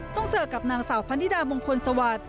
ต้องเจอกับนางสาวพันนิดามงคลสวัสดิ์